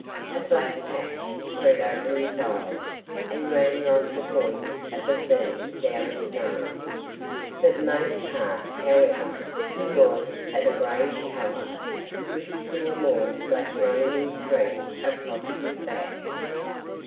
A black patch spread over his eyes and ran like the point of a V down his nose. For the most part, however, he was of a grayish color, with still more black running in streaks across his back.